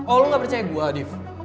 oh lo gak percaya gue adif